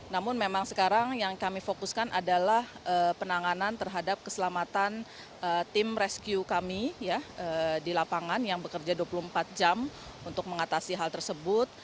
namun memang sekarang yang kami fokuskan adalah penanganan terhadap keselamatan tim rescue kami di lapangan yang bekerja dua puluh empat jam untuk mengatasi hal tersebut